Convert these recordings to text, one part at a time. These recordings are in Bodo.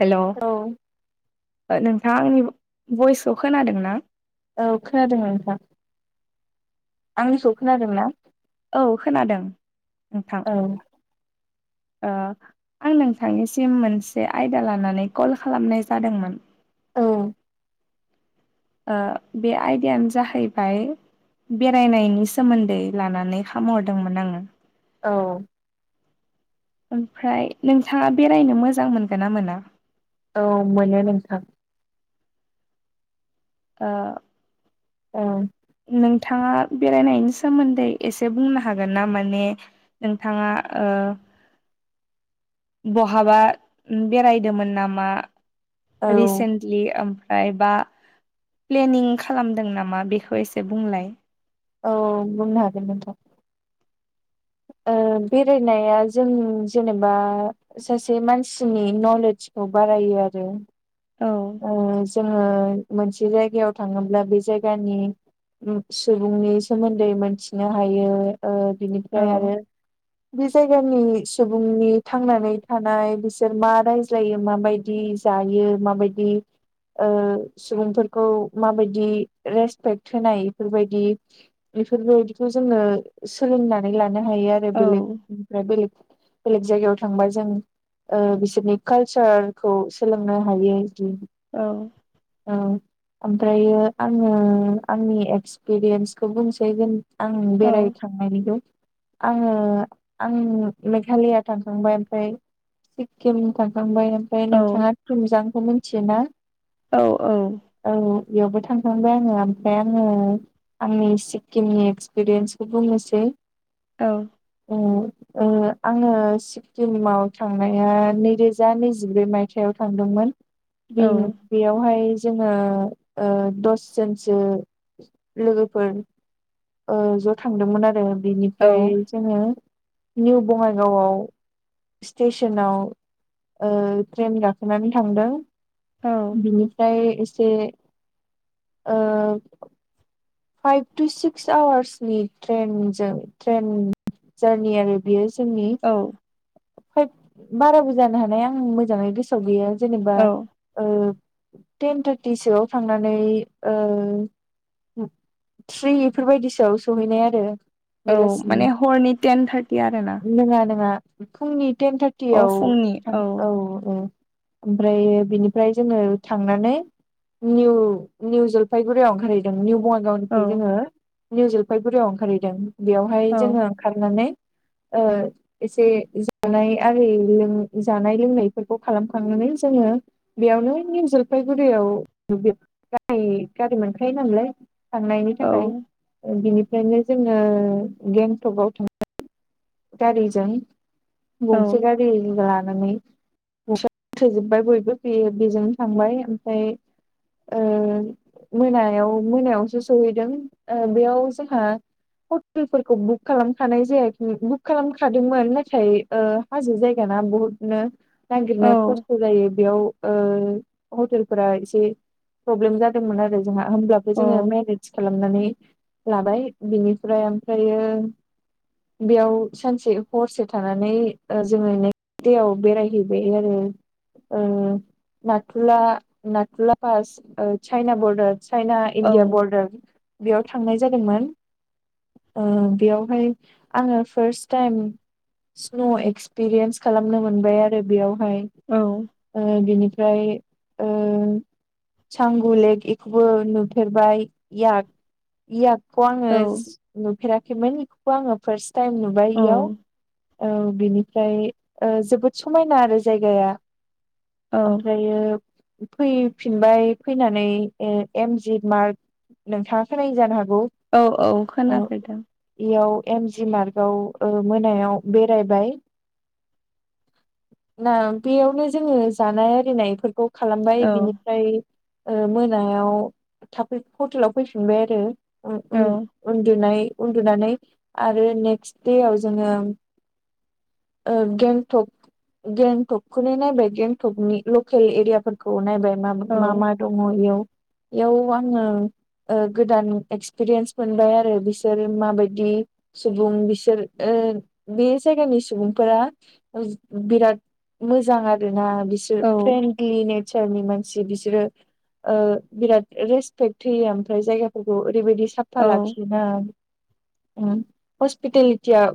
हेल' औ नोंथाङा आंनि भइसखौ खोनादों ना? औ खोनादों नोंथां आं आंनिखौ खोनादोंना? औ खोनादों नोंथां [inaudible] आं नोंथांनिसिम मोनसे आयदा लानानै कल खालामनाय जादोंमोन औ बे आयदायानो जाहैबाय बेरायनायनि सोमोन्दै लानानै खामहरदोंमोन आङो। औ। ओमफ्राय नोंथाङा बेरायनो मोजां मोनगोन्ना मोना? औ मोनो नोंथां। ओ ‌ औ। नोंथाङा बेरायनायनि सोमोन्दै एसे बुंनो हागोनना माने नोंथाङा ओ बहाबा बेरायदोंमोन नामा औ रिसेन्ट लि ओमफ्राय बा प्लेनिं खालामदों नामा बेखौ एसे बुंलाय औ बुंनो हागोन नोंथां बेरायनाया जों जेनेबा सासे मानसिनि नलेजखौ बारायो आरो औ ओ जोङो मोनसे जायगायाव थाङोब्ला बे जायगानि सुबुंनि सोमोन्दै मोनथिनो हायो ओ औ बिनिफ्राय आरो बे जायगानि सुबुंनि थांनानै थानाय बिसोर मा रायज्लायो माबायदि जायो माबायदि ओ सुबुंफोरखौ माबायदि रेसपेक्ट होनाय बेफोरबायदि बेफोरबायदिखौ जोङो सोलोंनानै लानो हायो आरो औ बेलेग दा बेलेग बेलेग जायगायाव थांबा जों ओ बिसोरनि कालसारखौ सोलोंनो हायो दि औ। औ ओमफ्रायो आङो आंनि एक्सपिरियेन्सखौ बुंसै जों आं बेराय औ थां [unintelligible] आङो आं मेघालया थांखांबाय ओमफ्राय सिक्किम थांखांबाय ओमफ्राय औ नोंथाङा थुमजांखौ मिथियोना? औ औ। औ बेयावबो थांखांबाय आङो ओमफ्राय आङो आंनि सिक्किमनि एक्सपिरियेन्सखौ बुंनोसै। औ। औ। आङो सिक्किमाव थांनाया नैरोजा नैजिब्रै मायथाइ थायाव थांदोंमोन बे बेयावहाय जोङो ओ दसजोनसो लोगोफोर ओ ज' थांदोंमोन आरो। औ बेनिफ्राय जोङो निउ बङाइगावआव स्टेसनाव ओ ट्रेन गाखोनानै थांदों बिनि फ्राय एसे ओ फाइभ टु सिक्स आवार्सनि ट्रेनजों ट्रेन जारनि आरो बेयो जोंनि। औ। फाइभ बाराबो जानो हानाय आं मोजाङै गोसोआव गैया जेनेबा औ ओ टेन थार्टिसोआव थांनानै ओ थ्रि इफोरबायदिसोआव सहैनाय आरो। औ माने हरनि टेन थार्टि आरोना नोङा नोङा फुंनि टेन अ थार्टियाव फुंनि थां औ औ। ओमफ्र बिनिफ्राय जोङो थांनानै निउ निउ जलफाइगुरियाव ओंखारहैदों निउ बङाइगावनि औ बेनिफ्राय जोङो निउ जलफायगुरियाव ओंखारहैदों बेयावहाय औ जोङो खारनानै ओ एसे जानाय आरि लों जानाय लोंनायफोरखौ खालामखांनानै जोङो बेयावनो निउ जलफायगुरियाव [unintelligible] गारि गारि मोनखायो नालाय थनायनायनि औ थाखाय ओं बिनिफ्रायनो जोङो गेंटकआव थांबाय गारिजों। औ गंसे गारि लानानै। [unintelligible] थोजोबबाय बयबो बे बेजोंनो थांबाय ओमफ्राय ओ मोनायाव मोनायावसो सहैदों ओ बेयाव जोंहा हटेलफोरखौ बुक खालामखानाय जायाखै बुक खालामखादोंमोन ओमफाय थाइ ओ हाजो जायगाना बहुदनो औ नागिरनो खस्थ' जायो बेयाव ओ हटेलफोरा एसे प्रब्लेम जादोंमोन आरो जोंहा होमब्लाबो जोङो मेनेज [unintelligible] खालामनानै लाबाय बिनिफ्राय ओमफ्रायो बेयाव सानसे हरसे थानानै ओ जोङो नेक्स देयाव बेरायहैबाय आरो। ओ नाथुला नाथुला पास ओ चाइना बरडार चाइना इण्डिया औ बरडार। बेयाव थांनाय जादोंमोन ओ बेयावहाय आङो फार्स्ट टाइम स्न' एक्सपिरियेन्स खालामनो मोनबाय आरो बेयावहाय। औ ओ बिनिफ्राय ओ सांगुलेक एखौबो नुफेरबाय इयाक इयाकखौ आङो औ जि नुफेराखैमोन इखौबो आङो फार्स्ट टाइम नुबाय इयाव। औ बिनिफ्राय ओ जोबोद समायना आरो जायगाया। ओमफ्रायो फैफिनबाय फैनानै ए एमजि मार्क नोंथाङा खोनायो जानो हागौ। औ औ ओ खोनाफेरदों। इयाव एम जि मार्गाव ओ मोनायाव बेरायबाय। ना बेयावनो जोङो जानाय आरिनायफोरखौ खालामबाय औ बिनिफ्राय ओ मोनायाव थाफै हटेलाव फैफिनबाय आरो। ओ उ औ उन्दुनाय उन्दुनानै आरो नेक्स्ट देयाव जोङो ओ गेंटक गेंटकखौनो नायबाय गेंटकनि लकेल एरियाफोर खौ नायबाय मा मा मा दङ इयाव इयाव आङो ओ गोदान एक्सपिरियेन्स मोनबाय आरो बिसोर माबायदि सुबुं बिसोर। ओ बे जायगानि सुबुंफोरा ओस बिराद मोजां आरोना। बिसोर औ फ्रेन्डलि नेचारनि मानसि बिसोरो। ओ बिराद रेसपेक्ट होयो ओमफ्राय जायगाफोरखौ ओरैबायदि साफ फा औ लाखियोना उम हस्पिटालि तिया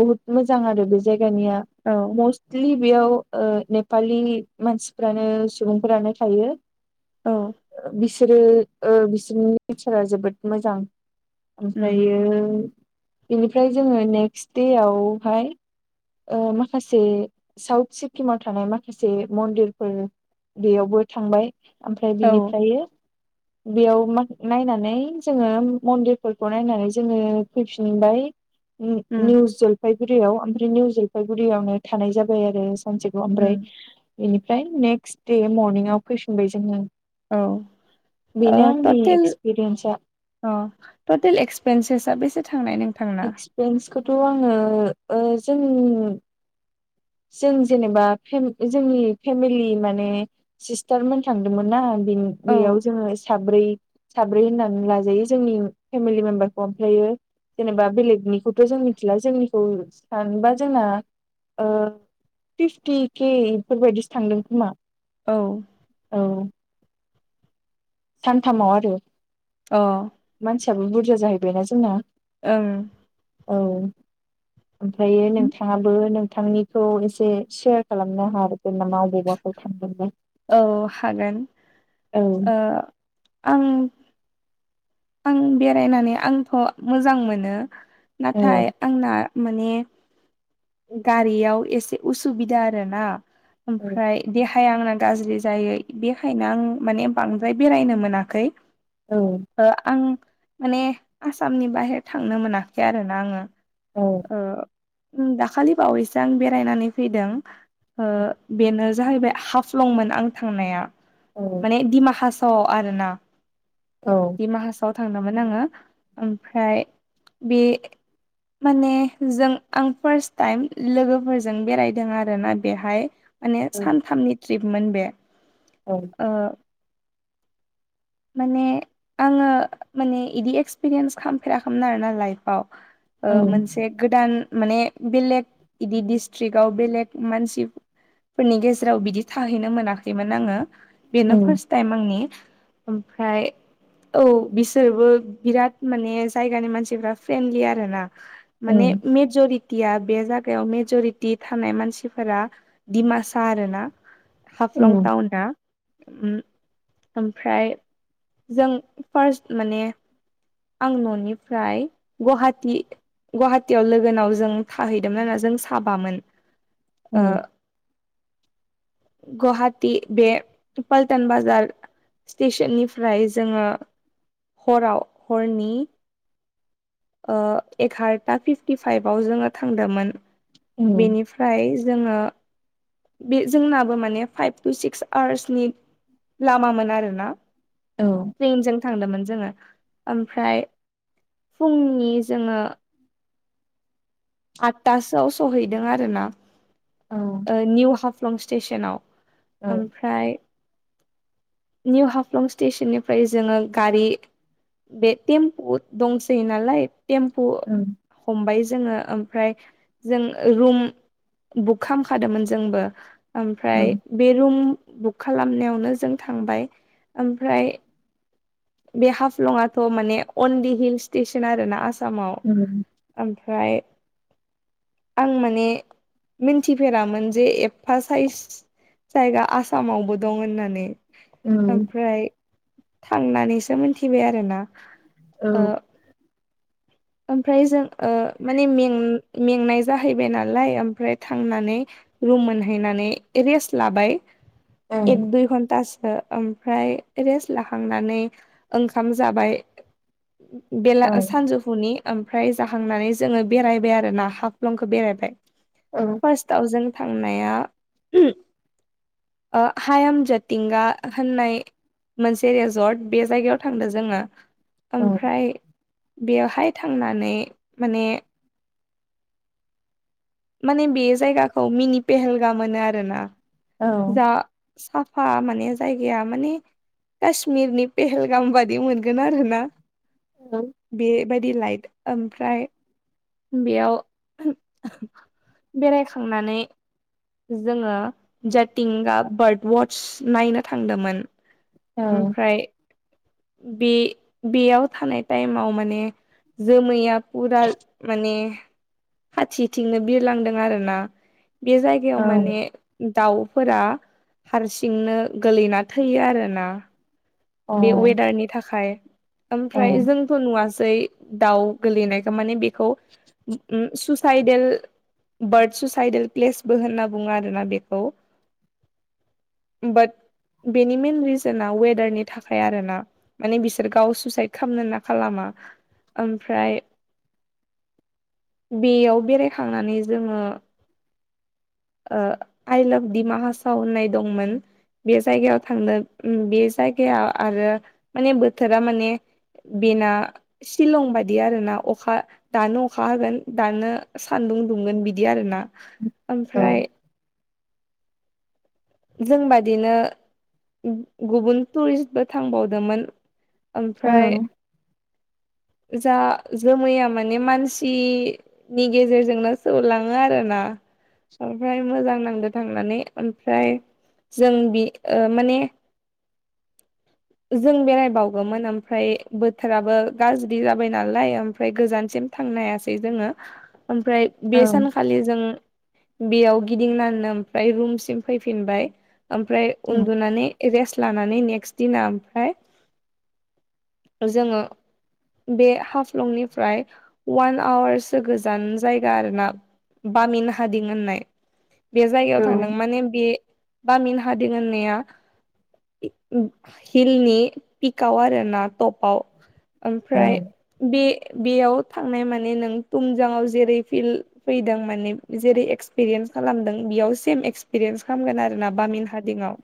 बुहुत मोजां आरो बे जायगानिया औ मस्त लि बेयाव ओ नेपालि मानसिफ्रानो सुबुंफोरानो थायो। औ ओ बिसोरो ओ बिसोरनि नेचारा जोबोद मोजां। उम ओमफ्रायो बेनिफ्राय जोङो नेक्स्ट देयाव हाय ओ माखासे साउथ सिक्किमाव थानाय माखासे मन्दिरफोर बेयावबो थांबाय ओमफ्राय औ बिनिफ्रायो बेयाव मा नायनानै जोङो मन्दिरफोरखौ नायनानै जोङो फैफिनबाय। उ उम निउ जलफायगुरियाव ओमफ्राय निउ जलफायगुरियावनो थानाय जाबाय आरो। सानसेखौ उम ओमफ्राय बिनिफ्राय नेक्स्ट दे मरनिंआव फैफिनबाय जोङो। औ ओ बिनो आंनि टटेल एक्सपिरियेन्सा। अ टटेल एक्सपेनसेसाआ बेसे थांनाय नों एक्सपेन्सखौथ' आङो ओ जों जों जेनेबा फेम जोंनि फेमिलि माने सिस्टारमोन थांदोंमोनना बेयाव औ जोङो साब्रै साब्रै होननानै लाजायो जोंनि फेमिलि मेम्बारखौ ओमफ्रायो जेनेबा बेलेगनिखौथ' जों मिथिला जोंनिखौ सानबा जोंना ओ फिफटि केे इफोरबायदिसो थांदों खोमा औ। औ। सानथामाव आरो अ मानसियाबो बुरजा जाहैबायना जोंना। ओं औ ओमफ्रायो नोंथाङाबो नोंथांनिखौ एसे सेयार खालामनो हाग [unintelligible] थांदोंबा औ हागोन औ ओ आं आं बेरायनानै आंथ' मोजां मोनो औ नाथाय आंना माने गारियाव एसे उसुबिदा आरो ना ओमफ्राय देहाया आंना गाज्रि जायो बेखायनो आं माने बांद्राय बेरायनो मोनाखै औ आं माने आसामनि बाहेर थांनो मोनाखै आरो ना आङो औ ओ उम दाखालि बावैसो आं बेरायनानै फैदों ओ औ बेनो जाहैबाय हाफलंमोन आं थांनाया उम। माने दिमाहासाव आव आरो ना औ। दिमाहासाव आव‌ थांदोंमोन आङो ओमफ्राय बे माने जों आं फार्स्ट टाइम लोगोफोरजों बेरायदों आरोना बेहाय माने औ सानथामनि ट्रिपमोन बे औ। ओ माने आङो माने बिदि एक्सपिरियेन्स खालामफेराखैमोन आरोना लाइफआव औ मोनसे गोदान माने बेलेग बिदि डिस्ट्रिक्आव बेलेग मानसि फोरनि गेजेराव बिदि थाहैनो मोनाखैमोन आङो बेनो औ फार्स्ट टाइम आंनि ओमफ्राय औ बिसोरबो बिराद माने जायगानि मानसिफ फ्रेन्डलि आरो ना माने मेेजरि टिया बे जायगायाव मेज'रिटि थानाय मानसिफोरा डिमासा आरो ना। हाफ्लं टाउना उम आमफ्राय जों फार्स्ट माने आं न'निफ्राय गहाटि गहाटियाव लोगोनाव जों थाहैदोमोन आरो‌ ना जों साबामोन गहाटिबे पल्टन बाजार स्टेसननिफ्राय जोङो हराव हरनि एकारथा फिफ्टि फाइभआव जोङो थांदोंमोन बेनिफ्राय फ्राय जोङो बे जोंनाबो माने फाइभ टु सिक्स आवार्सनि लामामोन आरोना औ। ट्रेनजों थांदोंमोन जोङो ओमफ्राय फुंनि जोङो आठथासोआव सहैदों आरोना निउ हाफ हम स्टेसनाव औ ओमफ्राय निउ हाफ्लं स्टेसननिफ्राय जोङो गारि बे टेम्पु दंसै नालाय टेम्पु हमबाय जोङो ओम ओमफ्राय जों रुम बुक खामखादोंमोन जोंबो औ ओमफ्राय बे रुम बुक खालामनायावनो जों थांबाय ओमफ्राय बे हाफ्लंयाथ' माने अन डि हिल स्टेसन आर ना आसामाव। उम उम ओमफ्राय आं माने मिनथिफेरामोन जे एफा साइज जायगा आसामावबो दं होननानै। ओमफ्राय थांनानैसो मोनथिबाय आरोना ओ औ। ओमफ्राय जों ओ माने में मेंनाय जाहैबाय नालाय ओमफ्राय थांनानै रुम मोनहैनानै रेस्ट लाबाय एक दुइ घन्टासो ओमफ्राय रेस लाखांनानै ओंखाम जाबाय बेला सानजौफु हुनि ओमफ्राय जाहांनानै जोंङो बेरायबाय आरो ना हाफ्लंखौ बेरायबाय। औ फार्स्टाव जों थांनाया ओ हायेम ज'थिंया होननाय मोनसे रेजर्ट बे जायगायाव थांदों जोंङो ओमफ्राय बेवहाय थांनानै माने माने बे जायगाखौ मिनि पेहेलगाम होनो आरोना। जा साफा माने जायगाया माने काश्मिरनि पहेलगाम बादि मोनगोन आरो ना। ओं बेबायदि लाइट ओमफ्राय बेयाव बेरायखांनानै जोंङो जाटिंगा बार्ड वाच नायनो थांदोंमोन। ओमफ्राय बे बेयाव थानाय टाइमाव माने जोमैया फुराल माने खाथिथिंनो बिरलांदों आरो ना। बे जायगायाव माने दाउफोरा हारसिंनो गोलैना थैयो आरोना। बे वेदारनि थाखाय ओमफ्राय जों खौ नुवासै दाउ गोलैनायखौ माने बेखौ उम सुसाइदेल बार्ड सुसाइदेल प्लेसबो होनना बुंङो आरोना बेखौ। बाट बेनि मेइन रिजना वेदारनि थाखाय आरो ना माने बिसोर गाव सुइसाइद खालामनो होनना खालामा। ओमफ्राय बेयाव बेरायखांनानै जोंङो ओ आइ लाभ दिमा हासाव होननाय दंमोन। बे जायगायाव थांनो बे जायगाया आरो माने बोथोरा माने बेना शिलं बादि आरोना अखा दानो अखा होगोन दानो सान्दुं दुंगोन बिदि आरोना ओमफ्राय जोंबादिनो गुबुन टुरिस्टबो थांबावदोंमोन। ओमफ्राय जा जोमैया माने मानसि नि गेजेरजोंनो सौलांङो आरो ना। ओमफ्राय मोजां नांदो थांनानै ओमफ्राय जों बि ओ माने जों बेरायबावगोमोन ओमफ्राय बोथोराबो गाज्रि जाबाय नालाय ओमफ्राय गोजानसिम थांनो हायासै जोङो ओमफ्राय बे सानखालि जों बेयाव गिदिंनानैनो ओमफ्राय रुमसिम फै फिनबाय ओमफ्राय उन्दुनानै रेस्ट लानानै नेक्स्ट दिना ओमफ्राय जोङो बे हाफ्लंनिफ्राय अवान आवारसो गोजान जायगा आरो ना बामिन हादिं होननाय बे जायगायाव थांदों माने बे बामिन हादिं होननाया हिलनि पिकाव आर ना टपाव ओमफ्राय बे बेयाव थांनाय माने नों तुमजांङाव जेरै फिल फैदों माने जेरै एक्सपिरियेन्स खालामदों बेयाव सेम एक्सपिरियेन्स खालामगोन आरो ना बामिन हादिंआव